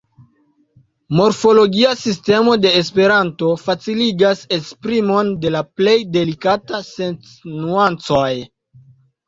Morfologia sistemo de esperanto faciligas esprimon de la plej delikataj senc-nuancoj.